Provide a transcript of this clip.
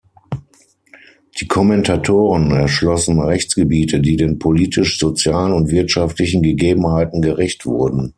Die Kommentatoren erschlossen Rechtsgebiete, die den politisch-sozialen und wirtschaftlichen Gegebenheiten gerecht wurden.